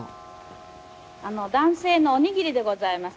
男性のおにぎりでございます。